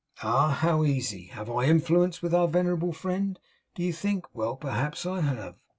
Ah, how easy! HAVE I influence with our venerable friend, do you think? Well, perhaps I have.